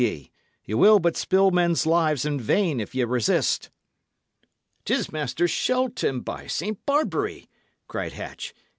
Ye will but spill men's lives in vain, if ye resist." "'Tis Master Shelton, by St. Barbary!" cried Hatch.